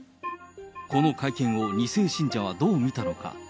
この会見を２世信者はどう見たのか。